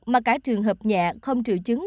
mà cả trường hợp nhẹ không trự chứng